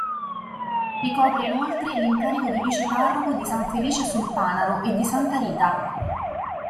Ricopre, inoltre, l'incarico di viceparroco di San Felice sul Panaro e di santa Rita.